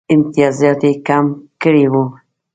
امتیازات یې کم کړي ول.